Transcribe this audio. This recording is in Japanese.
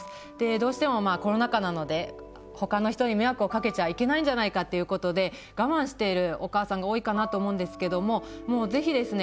どうしてもコロナ禍なのでほかの人に迷惑をかけちゃいけないんじゃないかっていうことで我慢しているお母さんが多いかなと思うんですけどももう是非ですね